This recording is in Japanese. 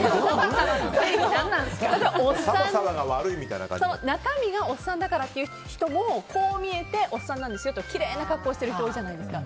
どんなの？中身がおっさんだからという人もこう見えておっさんなんですよってきれいな格好してる人多いじゃないですか。